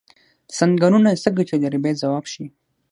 څنګلونه څه ګټې لري باید ځواب شي.